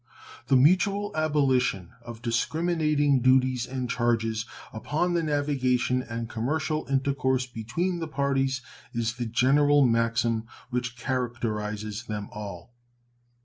The mutual abolition of discriminating duties and charges upon the navigation and commercial intercourse between the parties is the general maxim which characterizes them all.